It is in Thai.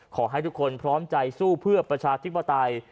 ขอให้ทุกคนพร้อมใจสู้เพื่อประชาธิปไตย